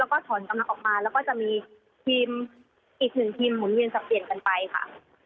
แล้วก็ถอนกำลังออกมาแล้วก็จะมีทีมอีกหนึ่งทีมหมุนเวียนสับเปลี่ยนกันไปค่ะ